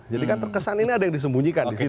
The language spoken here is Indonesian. jadi kan terkesan ini ada yang disembunyikan disitu